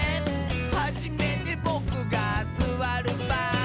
「はじめてボクがすわるばん」